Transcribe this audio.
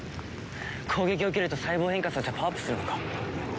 攻撃を受けると細胞を変化させてパワーアップするのか？